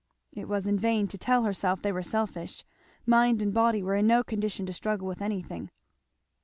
It was in vain to tell herself they were selfish; mind and body were in no condition to struggle with anything.